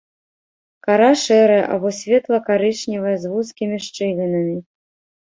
Кара шэрая або светла-карычневая з вузкімі шчылінамі.